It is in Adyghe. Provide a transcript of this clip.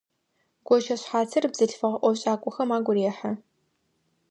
Гощэшъхьацыр бзылъфыгъэ ӏофшӏакӏохэм агу рехьы.